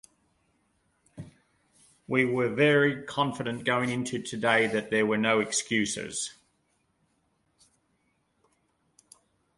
We were very confident going into today that there were no excuses.